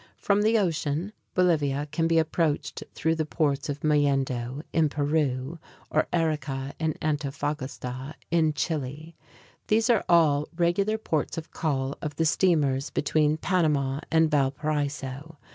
From the ocean Bolivia can be approached through the ports of Mollendo, in Peru, or Arica and Antofagasta in Chile. These are all regular ports of call of the steamers between Panama and Valparaiso.